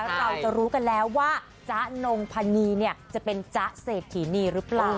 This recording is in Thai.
เราจะรู้กันแล้วว่าจ๊ะนงพนีเนี่ยจะเป็นจ๊ะเศรษฐีนีหรือเปล่า